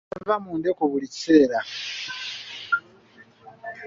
Tava mu ndeku buli kiseera.